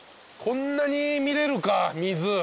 こんなに見れるか水。